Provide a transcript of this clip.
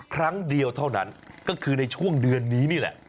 ครั้งเดียวเท่านั้นก็คือในช่วงเดือนนี้นี่แหละ